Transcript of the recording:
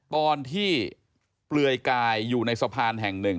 เปลือยกายอยู่ในสะพานแห่งหนึ่ง